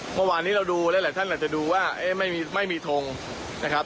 เมื่อวานนี้เราดูหลายท่านอาจจะดูว่าไม่มีทงนะครับ